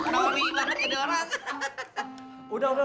sorry banget tidak ada orang